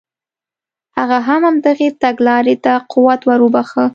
هغه هم همدغې تګلارې ته قوت ور وبخښه.